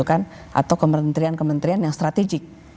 atau kementerian kementerian yang strategik